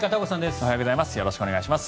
おはようございます。